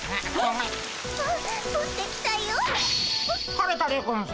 晴れたでゴンス。